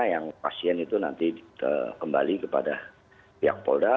yang pasien itu nanti kembali kepada pihak polda